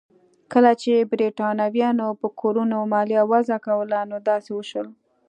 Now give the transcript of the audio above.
کله چې برېټانویانو په کورونو مالیه وضع کوله نو داسې وشول.